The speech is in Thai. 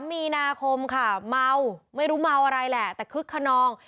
มีนาคมค่ะเมาไม่รู้เมาอะไรแหละแต่คึกขนอง